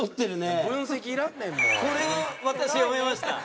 これ私読めました。